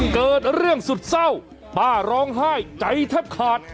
เกิดเรื่องสุดเศร้าป้าร้องไห้ใจแทบขาด